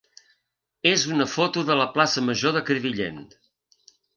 és una foto de la plaça major de Crevillent.